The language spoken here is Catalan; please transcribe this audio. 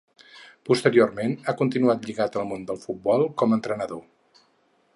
Posteriorment ha continuat lligat al món del futbol com a entrenador.